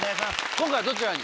今回はどちらに？